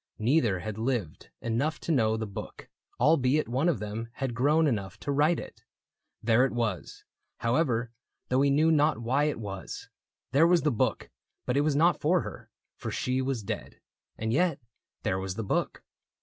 Neither had lived enough To know the book, albeit one of them Had grown enough to write it. There it was. However, though he knew not why it was : There was the book, but it was not for her, For she was dead. And yet, there was the book.